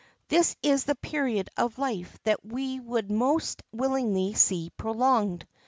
This is the period of life that we would most willingly see prolonged.